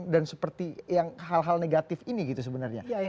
dan seperti yang hal hal negatif ini gitu sebenarnya